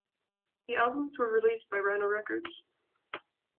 The albums were released by Rhino Records.